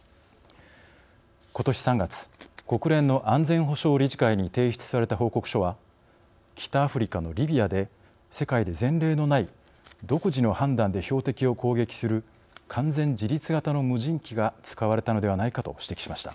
ことし３月国連の安全保障理事会に提出された報告書は北アフリカのリビアで世界で前例のない独自の判断で標的を攻撃する完全自律型の無人機が使われたのではないかと指摘しました。